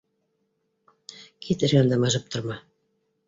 — Кит, эргәмдә мыжып торма.